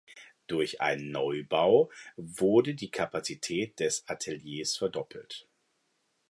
Durch einen Neubau wurde die Kapazität der Ateliers verdoppelt.